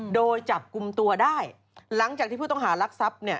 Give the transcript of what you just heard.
โดยจับกลุ่มตัวได้หลังจากที่ผู้ต้องหารักทรัพย์เนี่ย